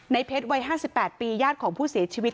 เพชรวัย๕๘ปีญาติของผู้เสียชีวิต